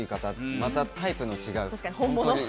またタイプの違う。